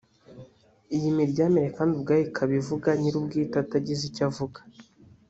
Iyi miryamire kandi ubwayo ikaba ivuga nyir’ubwite atagize icyo avuga